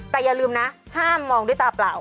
แต่อย่าลืมนะห้ามมองด้วยตาเปล่า